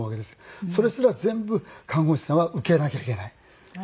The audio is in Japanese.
それすら全部看護師さんは受けなきゃいけない。